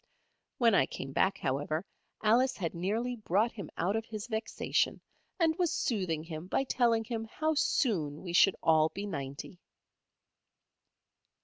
When I came back, however, Alice had nearly brought him out of his vexation, and was soothing him by telling him how soon we should all be ninety.